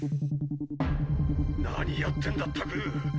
何やってんだったく。